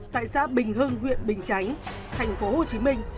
tại xã bình hưng huyện bình chánh tp hcm